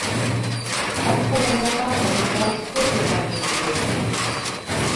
Так то яно так, але перашкоды, бачыш, ёсць.